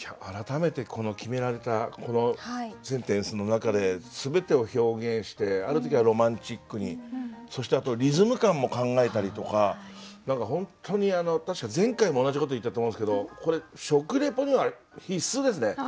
改めてこの決められたこのセンテンスの中で全てを表現してある時はロマンチックにそしてあとリズム感も考えたりとか本当にあの確か前回も同じこと言ったと思うんですけどこれ食レポには必須ですね。